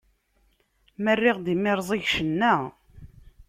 Ma rriɣ-d imirẓig, cenna!